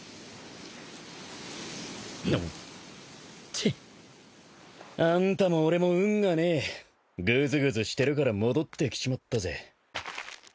チッあんたも俺も運がねえ。ぐずぐずしてるから戻ってきちまったぜ。